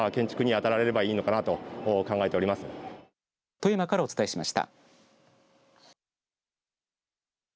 富山からお伝えしました。